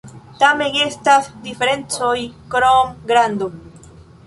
Tamen estas diferencoj krom grando.